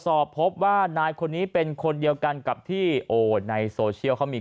สอบพบว่านายคนนี้เป็นคนเดียวกันกับที่โอ้ในโซเชียลเขามี